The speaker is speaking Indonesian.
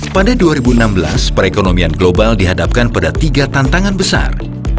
pada dua ribu enam belas perekonomian global dihadapkan pada tiga tantangan besar